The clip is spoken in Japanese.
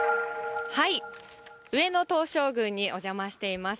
上野東照宮にお邪魔しています。